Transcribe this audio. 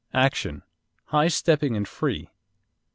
ACTION High stepping and free.